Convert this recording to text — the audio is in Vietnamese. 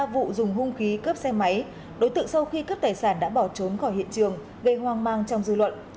vụ dùng hung khí cướp xe máy đối tượng sau khi cướp tài sản đã bỏ trốn khỏi hiện trường gây hoang mang trong dư luận